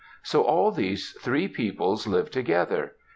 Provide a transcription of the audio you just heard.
So all these three peoples lived together.